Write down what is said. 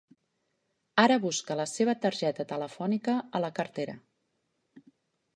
Ara busca la seva targeta telefònica a la cartera.